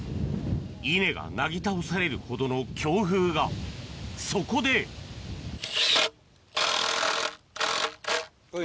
稲がなぎ倒されるほどの強風がそこではい。